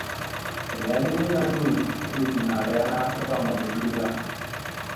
Li agi minaa ni, lagi ɓivunna kay ana heppa mbaa li dugugiya.